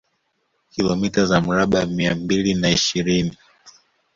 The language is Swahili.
Kilomita za mraba mia mbili na ishirini